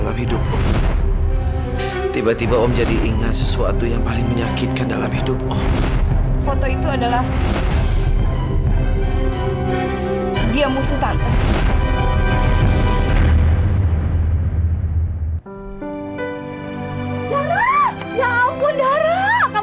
sampai jumpa di video selanjutnya